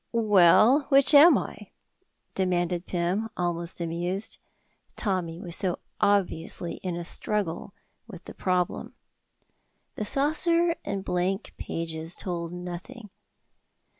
"Well, which am I?" demanded Pym, almost amused, Tommy was so obviously in a struggle with the problem. The saucer and the blank pages told nothing.